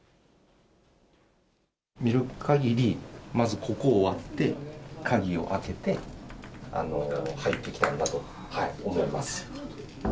見るかぎり、まずここを割って、鍵を開けて、入ってきたんだと思います。